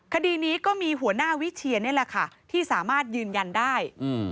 คดีนี้ก็มีหัวหน้าวิเชียนนี่แหละค่ะที่สามารถยืนยันได้